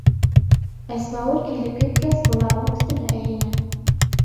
Әзмәүер, килеп еткәс, быларҙың өҫтөнә эйелә.